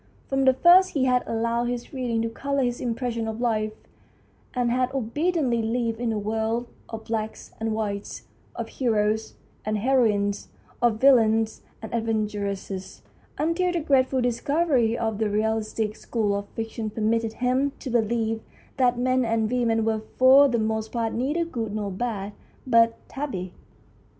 From the first he had allowed his reading to colour his impressions of life, and had obediently lived in a world of blacks and whites, of heroes and heroines, of villains and adventuresses, until the grateful discovery of the realistic school of fiction permitted him to believe that men and women were for the most part neither good nor bad, but tabby.